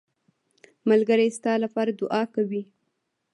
ملګری ستا لپاره دعا کوي